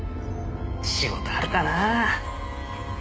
仕事あるかなあ？